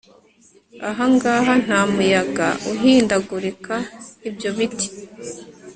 Ahangahanta muyaga uhindagurika ibyo biti